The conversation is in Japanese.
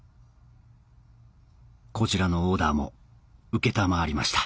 こちらのオーダーも承りました